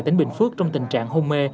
đến bình phước trong tình trạng hôn mê